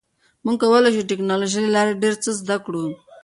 موږ کولی شو د ټکنالوژۍ له لارې ډیر څه زده کړو.